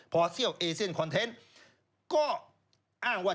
พอเซี่ยวเอเซียนคอนเทนต์ก็อ้างว่า